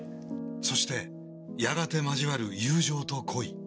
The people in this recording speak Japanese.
そしてやがて交わる友情と恋。